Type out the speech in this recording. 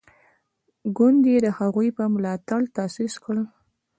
ګوند یې د هغوی په ملاتړ تاسیس کړی.